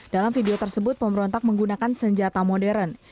dalam video tersebut pemberontak menggunakan senjata modern